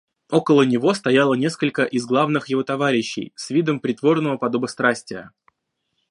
Около него стояло несколько из главных его товарищей, с видом притворного подобострастия.